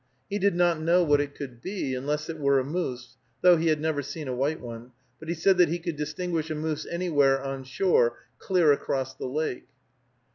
He did not know what it could be, unless it were a moose, though he had never seen a white one; but he said that he could distinguish a moose "anywhere on shore, clear across the lake."